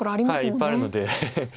いっぱいあるので。